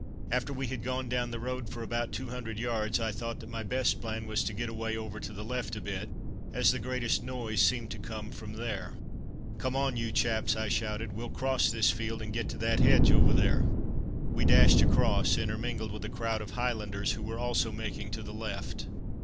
After we had gone down the road for about two hundred yards I thought that my best plan was to get away over to the left a bit, as the greatest noise seemed to come from there. "Come on, you chaps," I shouted, "we'll cross this field, and get to that hedge over there." We dashed across, intermingled with a crowd of Highlanders, who were also making to the left.